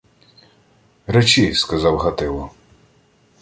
— Речи, — сказав Гатило.